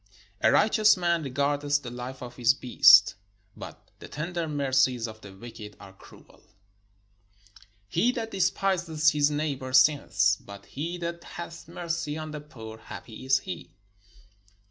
A righteous man regardeth the life of his beast: but the tender mercies of the wicked are cruel. He that despise th his neighbour sinneth: but he that hath mercy on the poor, happy is he.